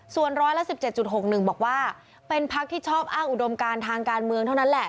ส่วนร้อยละ๑๗๖๑บอกว่าเป็นพักที่ชอบอ้างอุดมการทางการเมืองเท่านั้นแหละ